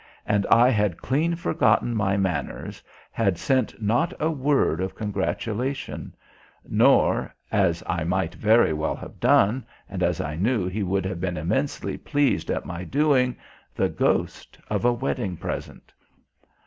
And I had clean forgotten my manners, had sent not a word of congratulation, nor as I might very well have done, and as I knew he would have been immensely pleased at my doing the ghost of a wedding present.